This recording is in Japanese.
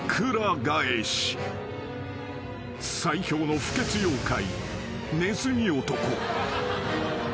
［最強の不潔妖怪］